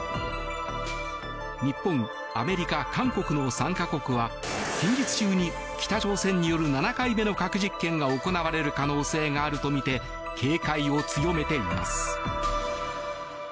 日本、アメリカ、韓国の３か国は近日中に北朝鮮による７回目の核実験が行われる可能性があるとみて警戒を強めています。